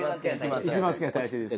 一番好きな体勢です。